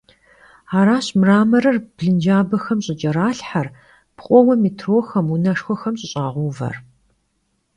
Araş mramorır blıncabexem ş'ıç'eralhher, pkhoue mêtroxem, vuneşşxuexem ş'ış'ağeuver.